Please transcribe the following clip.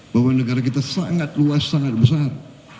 bahwa negara kita sangat luas sangat besar